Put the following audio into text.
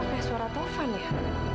tapi ngapain suara tovan ya